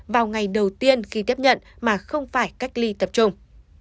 vào ngày đầu tiên khi tiếp nhận mà không phải cách ly tập trung